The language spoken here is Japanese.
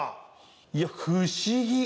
いや不思議！